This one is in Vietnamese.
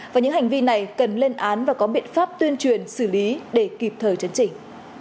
và những hành vi này cần lên án và có biện pháp tuyên truyền xử lý để kịp thời chấn chỉnh